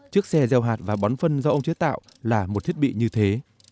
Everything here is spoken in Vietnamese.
chiếc xe gieo hạt và bón phân do ông chế tạo là một thiết bị như thế